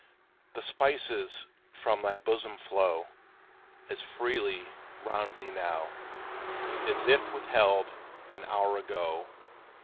The spices from thy bosom flow As freely round thee now, As if withheld an hour ago.